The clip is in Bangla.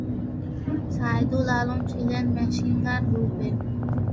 সাইদুল আলম ছিলেন মেশিনগান গ্রুপে।